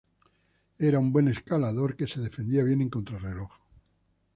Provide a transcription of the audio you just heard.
Era un buen escalador que se defendía bien en contrarreloj.